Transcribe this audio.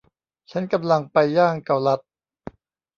ฉันกำลังไปย่างเกาลัด